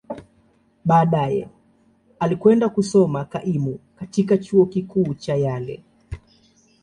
Baadaye, alikwenda kusoma kaimu katika Chuo Kikuu cha Yale.